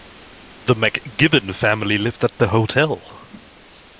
The McGibbon family lived at the hotel.